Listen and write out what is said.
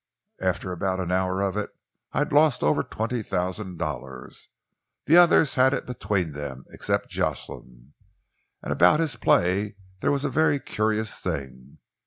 After about an hour of it, I'd lost over twenty thousand dollars. The others had it between them, except Jocelyn, and about his play there was a very curious thing.